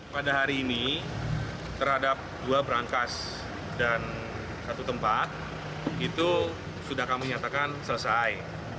pada hari ini terhadap dua berangkas dan satu tempat itu sudah kami nyatakan selesai